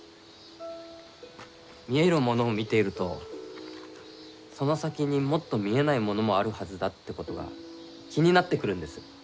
見えるものを見ているとその先にもっと見えないものもあるはずだってことが気になってくるんです。